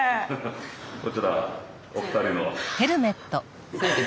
・こちらお二人の。